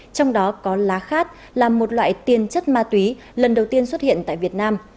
trong đó có lá khát là một loại tiền chất ma túy lần đầu tiên xuất hiện tại việt nam